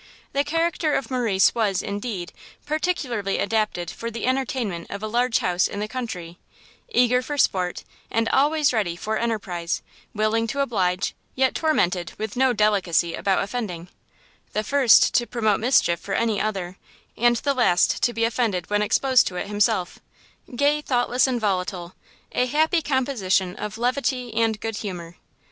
The character of Morrice was, indeed, particularly adapted for the entertainment of a large house in the country; eager for sport, and always ready for enterprize; willing to oblige, yet tormented with no delicacy about offending; the first to promote mischief for any other, and the last to be offended when exposed to it himself; gay, thoughtless, and volatile, a happy composition of levity and good humour.